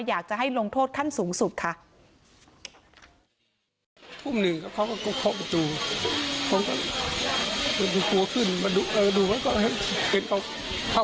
อยากจะให้ลงโทษขั้นสูงสุดค่ะ